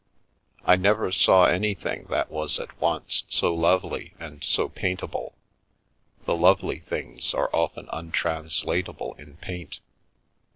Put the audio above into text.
I never saw anything that was at once so lovely and so paintable — the lovely things are often untranslata ble in paint.